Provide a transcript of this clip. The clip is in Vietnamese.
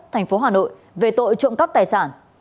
thành phố hà nội về tội trộm cắp tài sản